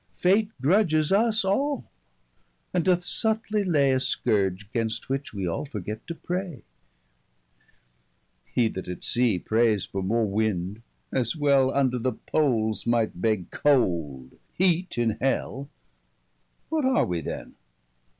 Fate grudges us all, and doth subtly lay A scourge,'gainst which wee all forget to pray, He that at sea prayes for more winde, as well Under the poles may begge cold, heat in hell. 50 What are wee then?